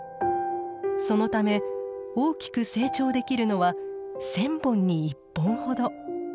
そのため大きく成長できるのは１，０００本に１本ほど。